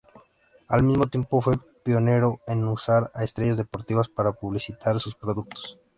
Al mismo tiempo fue pionero en usar a estrellas deportivas para publicitar sus productos.